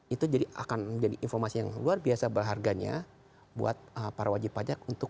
itu jadi akan menjadi informasi yang luar biasa berharganya buat para wajib pajak untuk